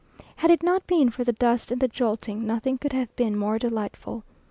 Had it not been for the dust and the jolting, nothing could have been more delightful.